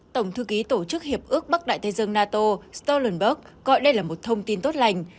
tổng thư ký tổ chức hiệp ước bắc đại tây dương nato stolenberg coi đây là một thông tin tốt lành